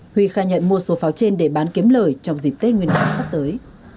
huy khai nhận mua số pháo trên để bán kiếm lời trong dịp tết nguyên đán sắp tới